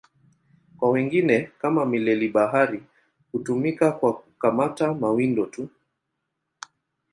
Kwa wengine, kama mileli-bahari, hutumika kwa kukamata mawindo tu.